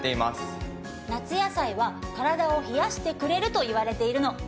夏野菜は体を冷やしてくれるといわれているの。